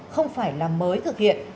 không phải là mới thực hiện